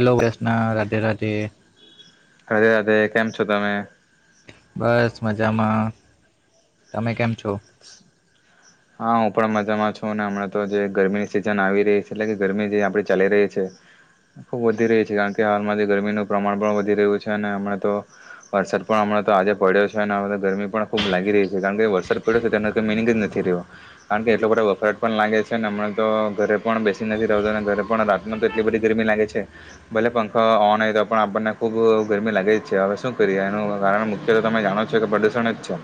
Hello Vaishna Radhe Radhe. અરે અધે કેમ છો તમે? બસ મજામાં, તમે કેમ છો? હા હું પણ મજામાં છું હમણાં તો જે ગરમીની સિઝન આવી રહી છે એટલે કે ગરમી જે આપડી ચાલી રહી છે, ખુબ વધી રહી છે કારણ કે હાલમાં જે ગરમીનું પ્રમાણ પણ વધી રહ્યું છે અને હમણાં તો વરસાદ પણ હમણાં તો, આજે પડ્યો છે અને હ તો ગરમી પણ ખુબ લાગી રહી છે. કારણ કે વરસાદ પડ્યો છે તેનાનો તો મિનિંગ જ નથી રહ્યો. કારણ કે એટલો બધો વફરાટ પણ લાગે છે હમણાં તો ઘરે પણ બેસી નથી રતો, ઘરે પણ રાતનો તો એટલી બધી ગરમી લાગે છે ભલે પંખો ઓન હોય તો પણ આપણને ખુબ ગરમી લાગે જ છે, હવે શું કરીએ એનું કારણ મુખ્ય તમે જાણો છો કે પ્રદુષણ જ છે,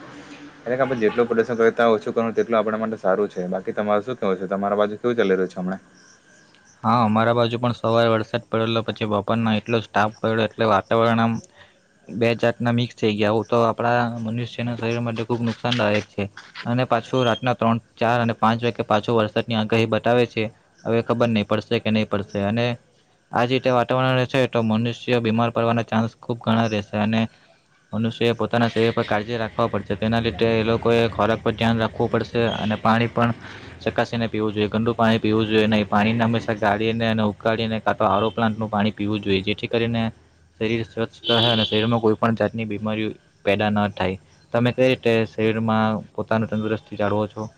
એટલે કે આપણે જેટલું પ્રદુષણતા ઓછું કરું ટલું આપણા માટે સારું છે બાકી તમારે શું કેવું છે તમારા બાજુ કેવું ચાલી રહ્યું છે હમણા. હા અમારા બાજુ પણ સવારે વરસાદ પડેલો પછી બપામાં એટલો સ્ટાફ પડ્યો એટલે વાતાવરણ બે જાતના મિક્સ થઈ ગયા હો તો આપણા મનુષ્યના શરીર માટે ખુબ નુકસાનદાયક છે, અને પાછું રાતના ત્રણ ચાર અને પાંચ વાગે પાછો વરસાદની આગાહી બતાવે છે, હવે ખબર નહીં. પડશે કે નહીં પડશે અને આ જ રીતે વાતાવરણ રહેશે તો મનુષ્ય બીમાર પડવાના ચાન્સ ખૂબ ઘણા રહેશે અને મનુષ્ય પોતાના શરીર પર કાળજી રાખવા પડશે તેના લીધે એ લોકોએ ખોરાક પર ધ્યાન રાખવું પડશે અને પાણી પણ ચકાસીને પીવું જોઈએ ગંદુ પાણી પીવું જોઈએ નહીં પાણીના ગાળીને અને ઉકાળીને કા તો આરો પ્લાન્ટ નું પાણી પીવું જોઈએ જેથી કરીને શરીર સ્વસ્થ રહે અને શરીરમાં કોઈ પણ જાતની બીમારી પેદા ન થાય તમે કઈ રીતે શરીરમાં પોતાનું તંદુરસ્તી જાળવો છો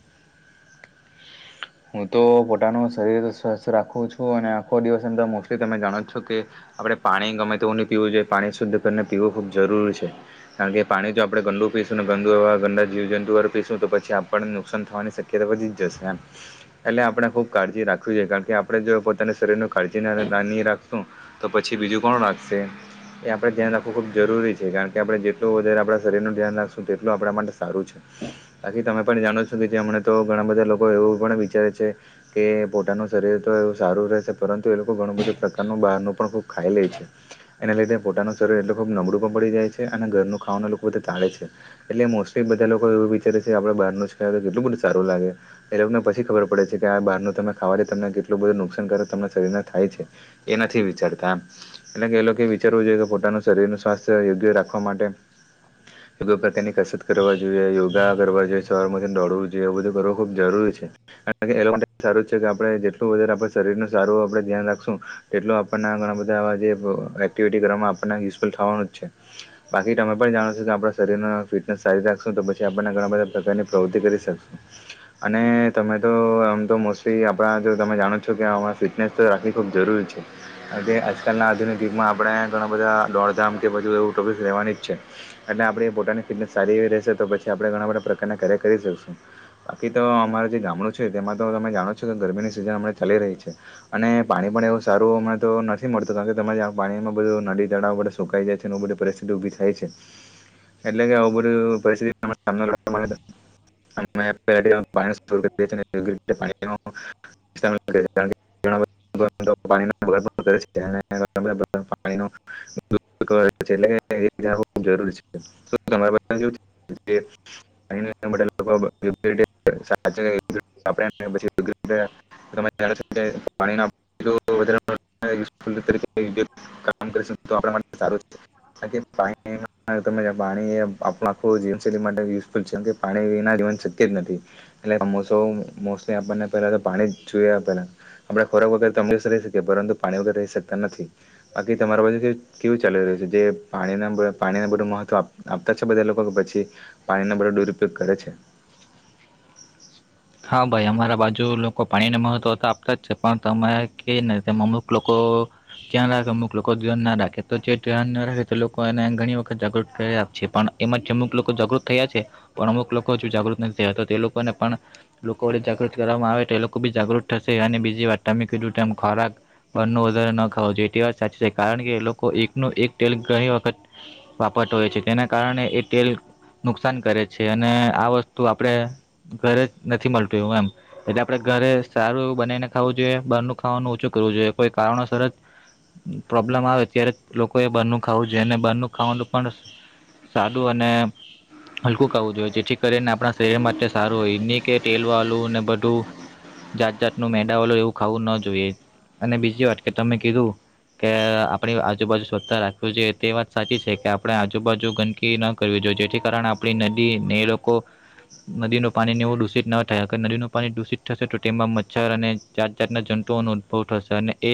હું તો પોતાનું શરીર સ્વસ્થ રાખું છું, અને આખો દિવસ એમ તો મોસ્ટલી તમે જાણો જ છો કે આપણે પાણી ગમે તેવું ની પીવું જોઈએ પાણી શુદ્ધ કરીને પીવું ખૂબ જરૂરી છે કારણ કે પાણી જો આપણે ગંદુ પીશું ને ગંદુ ગંદડા જીવ જંતુ પીશું તો પછી આપણને નુકસાન થવાની શક્યતા વધી જશે એમ એટલે આપણે ખુબ કાળજી રાખવી જોઈએ કારણ કે આપણે જો પોતાના શરીરનું કાળજી ની રાખશું તો પછી બીજું કોણ રાખશે, એ આપડે ધ્યાન રાખવું ખૂબ જરૂરી છે કારણ કે આપણે જેટલું વધારે આપણા શરીરનું ધ્યાન રાખશું તેટલું આપણા માટે સારું છે બાકી તમે પણ જાણો છો કે જેમ તો ઘણા બધા લોકો એવું પણ વિચારે છે કે પોતાનું શરીર તો એ સારું રહેશે પરંતુ એ લોકો ઘણું બધું પ્રકારનું બહારનું પણ ખબ ખાઈ લે છે એના લીધે પોતાનું શરીર એટ ખુબ નબળું પણ પડી જાય છે અને ઘરનું ખાવા લોકો બધ તાળે છે એટલે મોસ્ટલી બધા લોકો એવું વિચારે છે આપડે બહારનું જ ખાઈ તો કેટલું બધું સારું લાગે એ લોકોને ખબર પડે છે કે આ બહારનું તમે ખાવાથી તમને કેટલું બધું નુકસાન કરે તમન શરીરને થાય છે, એ નથી વિચારતા આમ એટલે કે એ લોકો વિચારવું જોઈએ કે પોતાનું શરીરનું સ્વાસ્થ્ય યોગ્ય રાખવા માટે યોગ પ્રકારની કસરત કરવા જોઈએ યોગા કરવા જોઈએ સ્વાર મથી દોડવું જોઈએ એવ બધું કરવું ખૂબ જરૂરી છે કાર સારું કે આપણે જેટલું વધારે આપ શરીરનું સારું આપણે ધ્યાન રાખશું તેટલું આપણ ઘણા બધા જે એક્ટિવિટી કરવામાં આપણને યુઝફુલ થવાનું જ છે બાકી તમે પણ જાણો છો કે આપણા શરીર ફિટનેસ સારી રાખશું તો પછી આપણને ઘણા બધા પ્રકારની પ્રવૃત્તિ કરી શકશું અને તમે તો આમ તો મોસ્ટલી આપણા જો તમે જાણો છો કે અમારે ફિટનેસ તો રાખવી ખૂબ જરૂરી છે કારણ કે આજકાલના આધુનિક યુગમાં આપણે ઘણાં બધા દોડધામ કે બજુ એવું ટોપિકસ રહેવાની જ છે એટલે આપણી પોતાની ફિટનેસ સારી એવી રહેશે તો પછી આપણે ઘણા બધા પ્રકારના કાર્યર કરી શકશું બાકી તો અમારે ગામડું છે તેમાં તો તમે જાણો છો કે ગરમીની સિઝન અમ ચાલી રહી છે, અને પાણી પણ એવું સારું, અમને તો નથી મળતું કારણ કે ત પાણીમાં બધું નદી તળાવ સુકાઈ જાય છે બધી પરિસ્થિતિ ઉભી થાય છે, એટલે કે આવું બધું પરિસ્થિતિ [inaudible] [unintelligible] પાણી આપણ આખું જીય છે પાણીના શક્ય જ નથી એટલે સમોસો મોસ્ટલી આપણને પેલા તો પાણી જ જોયાએ પેલા આપડે ખોરાક વગર ત રહી શકીએ પરંતુ પાણી વગર રહી શકતા નથી બાકી તમારા વગર કેવું ચાલી રહ્યું છે જે પાણી પાણીને બધું મહત્વ આપતા છે બધા લોકો કે પછી પાણીનો બધો દુરુપયોગ કરે છે હા, ભાઈ અમારા બાજુ લોકો પાણીને મહત્ત્વ તો આ, પતા જ છે પણ ત કે અમુક લોકો ક્યાં રાખે અમુક લોકોહદભ્ય ધ્યાન ના રાખે તો જે ધ્યાન ના રાખે તે લોકો એને ઘણી વખત જાગૃત કરી આપ છે પણ એમાં અમુક લોકો જાગૃત થયા છે પણ અમુક લોકો જાગૃત નથી થયા તો તે લોકોને પણ લોકો વડે જાગૃત કરવામાં આવે તો એ લોકો બી જાગૃત થશે અને બીજી વાત તમે કીધું ખોરાક બારનું વધારો ન ખો જોઈએ એ તે વાત સાચી છે કારણ કે એ લોકો એકનું એક તેલ ઘણી વખત વાપરતા હોય છે તેના કારણે એ તેલ નુકસાન કરે છે અને આ વસ્તુ આપણે ઘરે નથી મલતું એવું એમ એટલે આપણે ઘરે સારું એવું બનાવીને ખાવું જોઈએ બારનું ખાવાનું ઓછું કરવું જોઈએ કોઈ કારણોસરત પ્રોબ્લમ આવે ત્યારે લોકોએ બારનું ખાવું જોઈએ અને બરનું ખાવાનું પણ સાદું અને હલકું ખાવવું જોઈએ જેથી કરીને આપણા શરીર માટે સારું હોય કે તેલ વાળું ને બધું જાત જાતનું મેદા વાળું એવું ખાવું ન જોઈએ અને બીજી વાત કે તમે કીધું કે આપણી આજુબાજુ સ્વચ્છ રાખવી જોઈએ તે વાત સાચી છે કે આપણે આજુબાજુ ગંદકી ન કરવી જોઈએ જેથી કારણે આપણી નદી ને લોકો નદીનું પાણી એવું નદીનું પાણી દૂષિત થશે તો તેમાં મચ્છર અને જાત જાતના જંતુઓનો ઉદભવ થશે અને એ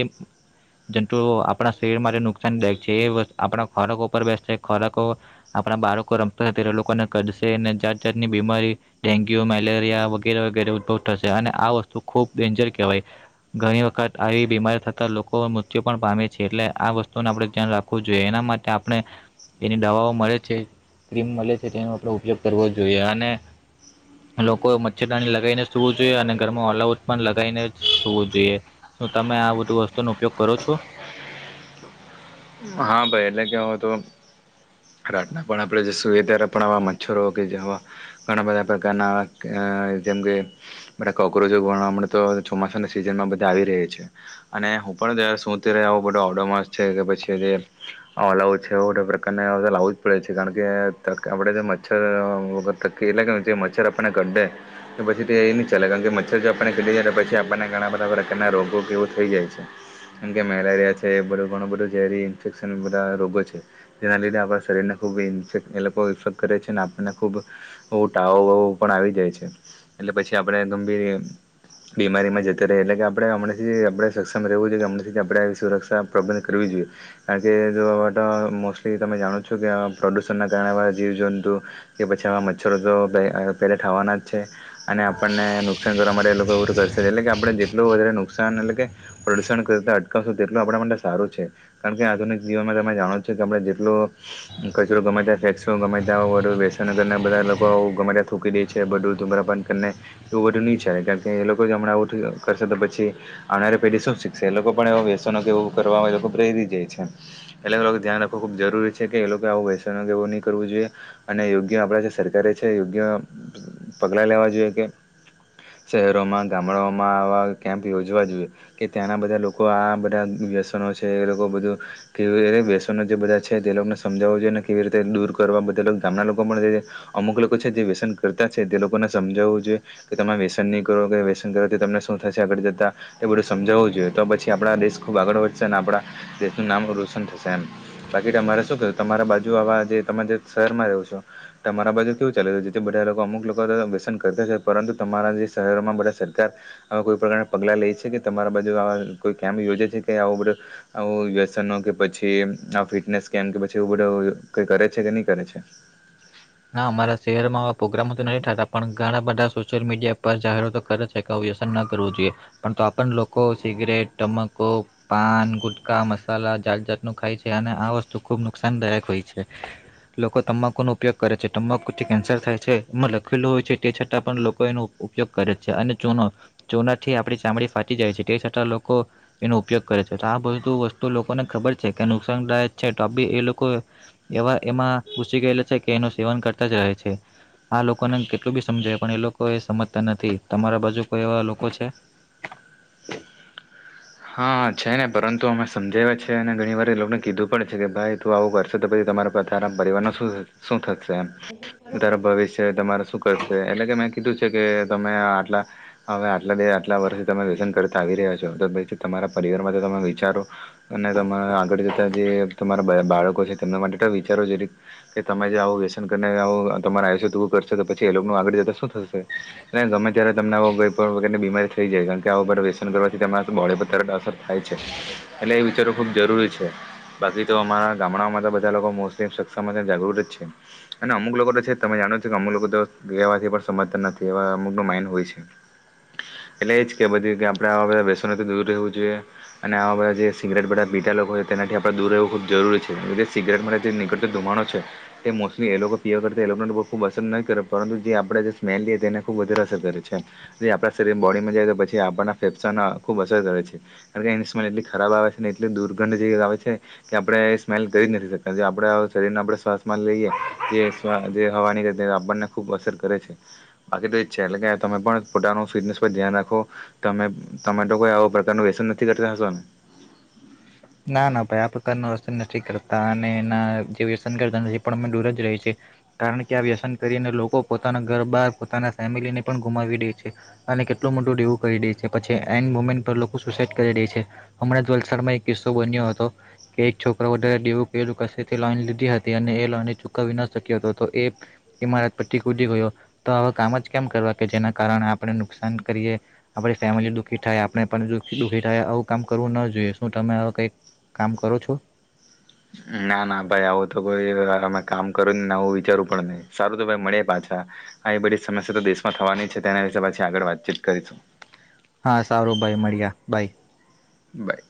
જંતુઓ આપણા શરીર માટે નુકસાનદાયક છે એ આપણા ખોરાકો ઉપર બેસશે ખોરાકો આપણા બાળકો રમતા લોકોને કશે અને જાત જાાતની બીમારી ડેન્ગ્યુ મેલેરિયા વગેરે, વગેરે ઉદભવ થશે અને આ વસ્તુ ખૂબ ડેન્જર કહેવાય ઘણી વખત આવી બીમારી થતા લોકો મૃત્યુ પણ પામે છે એટલે આ વસ્તુનું આપડે ધ્યાન રાખવું જોઈએ એના માટે આપણે એની દવાઓ મળે છે ક્રીમ મળે છે તેનો ઉપયોગ કરવો જોઈએ અને લોકો મચ્છરદાની લગાવીને સુવું જોઈએ અને ઘરમાં ઓલ આઉટ પન લગાવીને જ સુવું જોઈએ શું તમે આ બધું વસ્તુનો ઉપયોગ કરો છો હા ભાઈ એટલે કે હવે તો રાતના પણ આપણે જે સુએ ત્યારે પણ આવા મચ્છરો કે જેવા ઘણા બધા પ્રકારના અ જેમ કે બધા કોક્રોજો ભણવા મળતા હોય તો ચોમાસાના સિઝન માં બધા આવી રહી છે અને હું પણ જ્યારે સુ ત્યારે આવો બધો ઓડોમાસ છે કે પછી કે જે ઓલ આઉટ છે એવા બધા પ્રકારના એવા બધા લાવું જ પડે છે કારણ કે હમણે જે મચ્છર રોગો થકી એટલે કે મચ્છર આપણને કડે તો પછી તે એ નહી ચાલે કારણ કે મચ્છર જો આપને કડી જાય તો પછી આપણને ઘણા બધા પ્રકારના રોગો કે એવું થઈ જાય છે જેમકે મેલેરિયા છે એ બધું ઘણું બધું જેરી ઇન્ફેક્શન બધા રોગો છે. જેના લીધે આપણા શરીરને ખૂબ ઇન્ફેક લોકો ઇફેક્ટ કરે છે અને આપણને ખૂબ એવું ટાવ વાવ પણ આવી જાય છે એટલે પછી આપણે ગંભીર બીમારીમાં જતા રયે એટલે કે આપણે હમણાંથી આપણે સક્ષમ રહેવું જોઈએ કે હમણાંથી આપણે સુરક્ષા પ્રબંધ કરવી જોઈએ. કારણ કે જો હવે તો મોસ્ટલી તમે જાણો છો કે પ્રદુષણ ના કારણે બધા જીવ જંતુ કે પછી આવા મચ્છરો તો પે પહેલા થવાના જ છે અને આપણને નુકસાન કરવા માટે એ લોકો એવું તો કરશે એટલે કે આપણે જેટલું વધારે નુકસાન એટલે કે પ્રદુષણ કરતા અટકાવશું તેટલું આપણા માટે સારું જ છે. કારણ કે આધુનિક જીવનમાં તમે જાણો જ છો કે આપણે જેટલુ કચરો ગમે ત્યાં ફેકસુ ગમે ત્યાં આવુ બધા વ્યસનો કરનાર બધા લોકો ગમે ત્યાં થૂકી દે છે બધું ધૂમ્રપાન કરીને એવું બધું ની ચાલે કેમ કે એ લોકો હમણા આવું કરશે તો પછી આવનારી પેઢી શું શીખશે એ લોકો પણ એ વ્યસનો કે એવું કરવા એ લોકો પ્રેરિત એ છે. એટલે એ લોકો ધિયાન રાખવું ખૂબ જરૂરી છે કે એ લોકો આવું વ્યસન એવું ની કરવું જોઈએ. અને યોગ્ય આપણા જે સરકારે છે યોગ્ય પગલા લેવા જોઈએ કે શહેરોમાં, ગામડાઓમા આવા કેમ્પ યોજવા જોઈએ કે ત્યાંના બધા લોકો આ બધા વ્યસનો છે એ લોક બો બધું કેવી રીતે વ્યસન નો જે બધા છે તે લોકોને સમજાવવું જોઈએ ને કેવી રીતે દૂર કરવા બધા ગામના લોકો પણ અમુક લોકો છે જે વ્યસન કરતા છે તે લોકોને સમજાવવું જોઈએ કે તમે વ્યસન ની કરો કે વ્યસન કરો તો તમને શું થશે આગળ જતા એ બધું સમજાવવું જોઈએ તો પછી આપણા દેશ ખૂબ આગળ વધશે અને આપણા દેશનું નામ રોશન થશે એમ. બાકી તમારે શું કરે તમારા બાજુ આવા જે તમે શહેરમાં રહો છો તમારા બાજુ કેવું ચાલે જેથી બધા અમુક લોકો વ્યસન કરતા છે પરંતુ તમારા જે શહેરોમાં બધા સરકાર કોઈ પ્રકારના પગલા લે છે કે તમારા બાજુ આવા કોઈ કેમ્પ યોજે છે કે આવું બધું. આવું વ્યસનો કે પછી આ ફિટનેસ કેમ્પ કે પછી એવું બધું કરે છે કે ની કરે છે. ના અમારા શહેરમાં આવા પ્રોગ્રામો તો નઈ થતા પણ ઘણા બધા સોશિયલ મીડિયા પર જાહેરાતો કરે છે કે આવુ વ્યસન ના કરવું જોઈએ પણ તો પણ લોકો સિગરેટ તમાકુ, પાન, ગુટકા, મસાલા જાત જાતનું ખાય છે અને આ વસ્તુ ખુબ નુકસાનદાયક હોય છે લોકો તમાકુ ન ઉપયોગ કરે છે. તમ્બાકુ થી કેન્સર થાય છે એમાં લખેલું હોય છે. તે છતાં પણ લોકો એનો ઉપયોગ કરે છે અને ચૂનો ચૂના થી આપડી ચામડી ફાટી જાય છે તે છતાં લોકો એનો ઉપયોગ કરે છે તો આ બધુ વસ્તુ લોકોને ખબર છે કે નુકસાનદાયક છે તો બી એ લોકો એવા એમાં ઘુસી ગયેલા છે. કે એનું સેવન કરતા જ રહે છે આ લોકોને કેટલું બી સમજાય પણ એ લોકો એ સમજતા નથી તમારા બાજુ કોઈ એવા લોકો છે. હા છે ને પરંતુ અમે સમજાવ્યા છે અને ઘણી વાર એ લોકોને કીધું પડે છે કે ભાઈ તું આવું કરશે તો પછી તમારા પરિવાર ન શું થશે. છે એમ. ને તારો ભવિષ્ય તમારા શું કરશે એટલે કે મે કીધું છે કે તમે આટલા હવે આટલા દે આટલા વરહે તમે વ્યસન કરતા આવી રહ્યા છો તો પ તમારા પરિવાર માટે તમે વિચારો અને તમારા આગળ જતા જે તમારા બ બાળકો છે તેમના માટે તો વિચારો જીરીક કે તમે જે આવું વ્યસન કરીને આવું તમારે આયુષ્ય પુરુ કરશે તો પછી એ લોકોનું આગળ જતા શું થશે અને ગમે ત્યારે તમને આવું ગઈ પણ વગરની બીમારી થઈ જાય કારણ કે આવ બધા વ્યસન કરવાથી તમારા બોડી તરત અસર થાય છે. એટલે એ વિચારવું ખુબ જરૂરી છે. બાકી તો અમારા ગામડાઓમા તો બધા લોકો મોસલી વ્યસન માટે જાગૃત જ છે અને અમુક લોકો તો છે તમે જાણો છો કે અમુક લોકો બીવડાવાથી પણ સમજતા નથી. એ અમુકને માઇન્ડ હોય છે એટલે એજ કે બધી રીતે આપણે આવા બધા વ્યસનનો થી દૂર રહેવું જોઈએ. અને આવા બધા જે સિગરેટ બધા પીતા લોકો હોય તેનાથી આપણે દૂર રહેવું ખૂબ જરૂરી છે. જે સિગરેટ મેથી નીકળતો ધુમાણો છે તે મોસ્ટલી એ લોકો પીવા કરતા એ લોકોને ખૂબ અસર નહી કરે પરંતુ જે આપણે જે સ્મેલ લઈએ તેને ખૂબ વધારે અસર કરે છે જે આપણા શરીર બોડીમાં જાય તો પછી આપણના ફેફસાના ખૂબ અસર કરે છે. કારણ કે એની સ્મેલ એટલી ખરાબ આવે છે એટલી દુર્ગંધ જેવી આવે છે કે આપણે એ સ્મેલ કરી જ નથી શકતા. જે આપણા શરીરને આપણા શ્વાસ લઈએ જે હવાની આપણને ખુબ અસર કરે છે બાકી તો એ છે એટલે કે તમે પોતાનું ફિટનેસ પર ધ્યાન રાખો તમે તો કોઈ આવ પ્રકાર તમે વ્યસન નથી કરતા હશોન. ના ના ભાઈ આ પ્રકારના વ્યસન નથી કરતા અને એના જે વ્યસન કરતા નથી એ પણ અ દૂર જ રહી છીએ કારણ કે આ વ્યસન કરીને લોકો પોતાના ઘર બાર પોતાના ફેમિલીને પણ ગુમાવી દે છે અને કેટલું મોટું દેવું કરી દે છે પછી એન્ડ મોમેન્ટ પર પર લોકો સુસાઈડ કરી દે છે હમણાં જ વલસાડમાં એક કિસ્સો બન્યો હતો કે એક છોકરો વધારે દેવું કર્યુ. કસે થી લોન લીધી હતી અને એ લોનની ચૂકવવી ન શક્યો હતો તો એ ઇમારત પરતી કૂદી ગયો તો આવા કામ જ કેમ કરવા કે જેના કારણે આપણે નુકસાન કરીએ આપણી ફેમિલી દુખી થાય આપણે પણ દુઃખી થાય આવું કામ કરવું ન જોઈએ શ તમે આવા કંઈક કામ કરો છો? ના ના ભાઈ આવું તો કોઈ અમે કામ કરુ ની ને આવું વિચારવું પણ નહી સારું તો ભાઈ મડીયે પાછા. આવી બધી સમસ્યા તો દેશમાં થવાની છે તેના વિશે પાછી આગળ વાતચીત કરીશું. હા સારું ભાઈ મળ્યા. ભાય. બાય.